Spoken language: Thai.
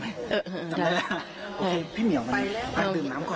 เออจำได้แล้วพี่เหนียวดื่มน้ำก่อน